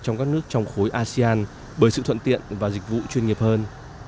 trong các nước trong khối asean bởi sự thuận tiện và dịch vụ chuyên nghiệp hơn